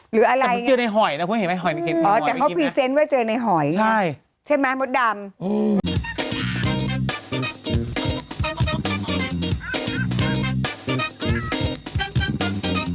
หรืออะไรอย่างนี้นะครับอ๋อแต่เขาพรีเซนต์ว่าเจอในหอยนะครับใช่ไหมหมดดำ